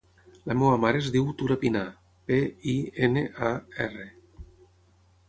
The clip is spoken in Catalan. La meva mare es diu Tura Pinar: pe, i, ena, a, erra.